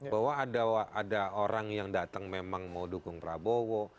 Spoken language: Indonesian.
bahwa ada orang yang datang memang mau dukung prabowo